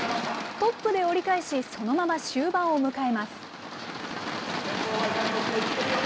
トップで折り返し、そのまま終盤を迎えます。